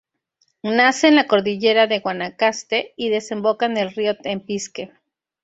Nace en la Cordillera de Guanacaste y desemboca en el Río Tempisque.